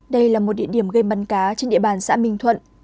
đây là một địa điểm gây bắn cá trên địa bàn xã minh thuận